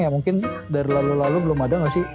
ya mungkin dari lalu lalu belum ada nggak sih